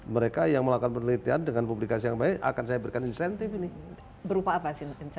mereka yang melakukan penelitian dengan publikasi yang baik akan saya berikan insentif ini berupa apa